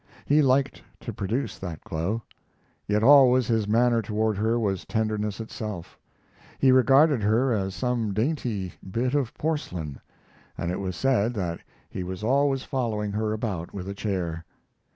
He liked to produce that glow. Yet always his manner toward her was tenderness itself. He regarded her as some dainty bit of porcelain, and it was said that he was always following her about with a chair.